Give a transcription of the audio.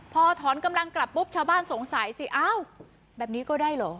พอถอนกำลังกลับปุ๊บชาวบ้านสงสัยสิอ้าวแบบนี้ก็ได้เหรอ